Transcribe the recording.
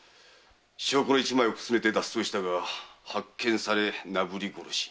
証拠の一枚をくすねて脱走したが発見されなぶり殺し。